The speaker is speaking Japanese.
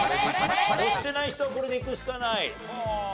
押してない人はこれでいくしかない。